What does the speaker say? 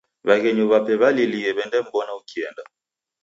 W'aghenyu w'ape w'alilie w'endam'mbona ukienda.